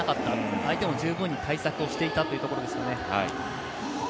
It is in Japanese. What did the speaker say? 相手も十分に対策をしていたというところです。